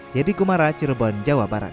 jadi kumara cirebon jawa barat